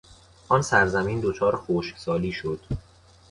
آن سرزمین دچار خشکسالی شد.